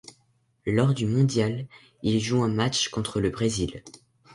Lors du mondial, il joue un match contre le Brésil.